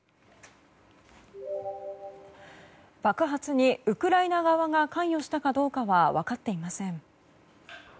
爆発にウクライナ側が関与したかどうかは分かっていません。